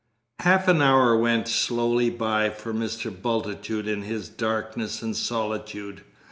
Half an hour went slowly by for Mr. Bultitude in his darkness and solitude.